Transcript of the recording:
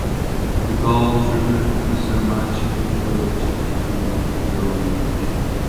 The Gauls return to the Sarmatian village and then to their own village.